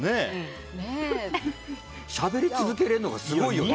しゃべり続けれるのがすごいよね。